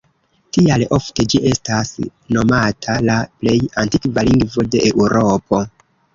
Tial, ofte ĝi estas nomata "la plej antikva lingvo de Eŭropo".